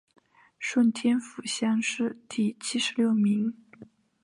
顺天府乡试第七十六名。